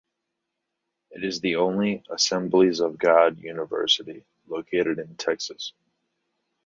It is the only Assemblies of God university located in Texas.